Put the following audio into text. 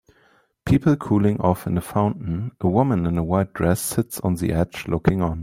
People cooling off in a fountain a woman in a white dress sits on the edge looking on